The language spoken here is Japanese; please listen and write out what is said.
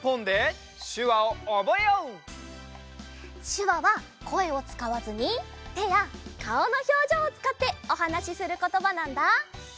しゅわはこえをつかわずにてやかおのひょうじょうをつかっておはなしすることばなんだ。